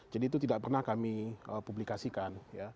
jadi itu tidak pernah kami publikasikan